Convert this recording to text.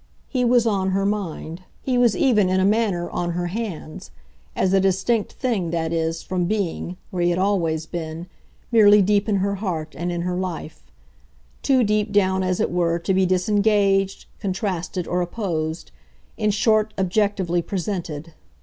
He was on her mind, he was even in a manner on her hands as a distinct thing, that is, from being, where he had always been, merely deep in her heart and in her life; too deep down, as it were, to be disengaged, contrasted or opposed, in short objectively presented.